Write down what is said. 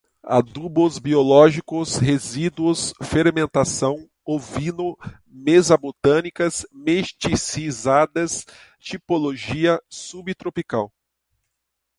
adubos biológicos, resíduos, fermentação, ovino, mesa-botânicas, mesticizadas, tipologia, sub-tropical